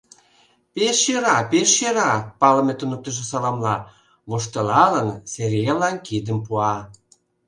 — Пеш йӧра, пеш йӧра! — палыме туныктышо саламла, воштылалын, Сергейлан кидым пуа.